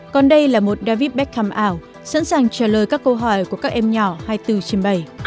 còn đây là một david beckham ảo sẵn sàng trả lời các câu hỏi của các em nhỏ hai mươi bốn trên bảy